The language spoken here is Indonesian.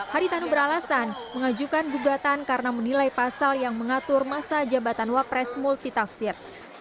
haritanu beralasan mengajukan gugatan karena menilai pasal yang mengatur masa jabatan wapres multitafsir